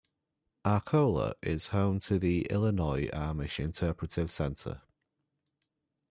Arcola is home to the Illinois Amish Interpretive Center.